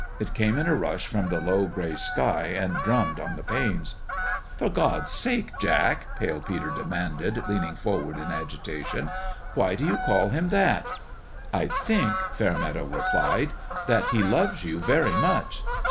It came in a rush from the low gray sky and drummed on the panes. " For God's sake, Jack," Pale Peter demanded, leaning forward in agitation, " why do you call him that ?"" I think," Fairmeadow replied, " that he loves you very much."